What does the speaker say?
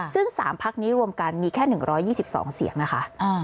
ซึ่ง๓พักนี้รวมกันมีแค่๑๒๒เสียงนะคะ